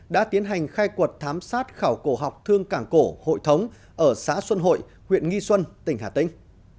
đã tiến hành khai quật thám sát khảo cổ học thương cảng cổ hội thống ở xã xuân hội huyện nghi xuân tỉnh hà tĩnh